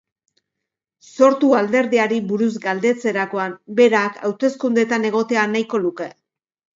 Sortu alderdiari buruz galdetzerakoan, berak haustekundeetan egotea nahiko luke.